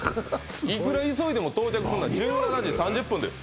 いくら急いでも到着すんのは１７時３０分です